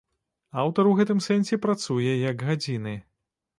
Аўтар у гэтым сэнсе працуе як гадзіны.